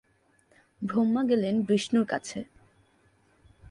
ব্রহ্মা গেলেন বিষ্ণুর কাছে।